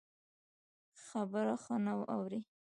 خبره ښه نه اوري.